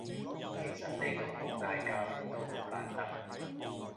其實呢度冇嗌交都好難得